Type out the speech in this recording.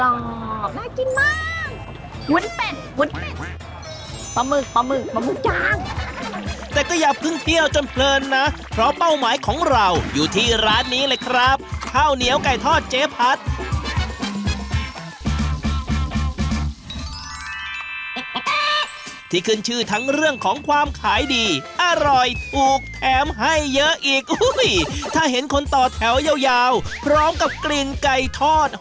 เนยกรอบเนยกรอบเนยกรอบเนยกรอบเนยกรอบเนยกรอบเนยกรอบเนยกรอบเนยกรอบเนยกรอบเนยกรอบเนยกรอบเนยกรอบเนยกรอบเนยกรอบเนยกรอบเนยกรอบเนยกรอบเนยกรอบเนยกรอบเนยกรอบเนยกรอบเนยกรอบเนยกรอบเนยกรอบเนยกรอบเนยกรอบเนย